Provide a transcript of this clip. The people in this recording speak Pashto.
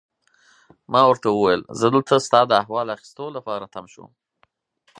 ما ورته وویل: زه دلته ستا د احوال اخیستو لپاره تم شوم.